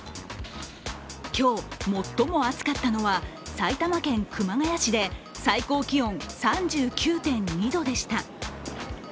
今日、最も暑かったのは、埼玉県熊谷市で最高気温３９．２度でした。